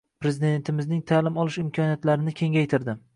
Prezidentimizning ta’lim olish imkoniyatlarini kengaytirdi.